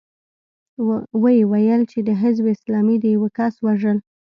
ويې ويل چې د حزب اسلامي د يوه کس وژل.